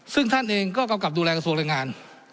ซึ่งท่านเองก็กำกับดูแลกระทรวงแรงงาน